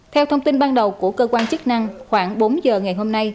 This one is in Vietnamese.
theo thông tin ban đầu của cơ quan chức năng khoảng bốn giờ ngày hôm nay